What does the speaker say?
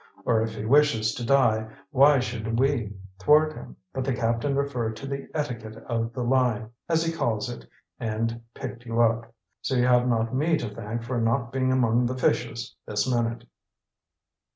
Or, if he wishes to die, why should we thwart him?' But the captain referred to the 'etiquette of the line,' as he calls it, and picked you up. So you have not me to thank for not being among the fishes this minute."